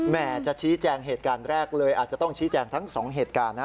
จะชี้แจงเหตุการณ์แรกเลยอาจจะต้องชี้แจงทั้งสองเหตุการณ์นะ